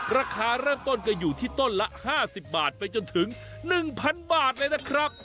ราคาเริ่มต้นก็อยู่ที่ต้นละ๕๐บาทไปจนถึง๑๐๐บาทเลยนะครับ